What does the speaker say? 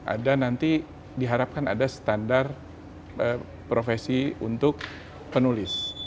ada nanti diharapkan ada standar profesi untuk penulis